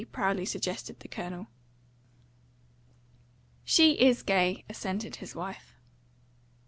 proudly suggested the Colonel. "She IS gay," assented his wife.